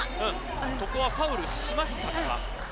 ここはファウルしましたか。